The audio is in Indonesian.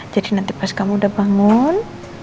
jadi nanti pas kamu udah bangun